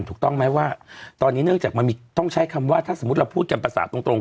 ถูกต้องไหมว่าตอนนี้เนื่องจากมันต้องใช้คำว่าถ้าสมมุติเราพูดกันภาษาตรง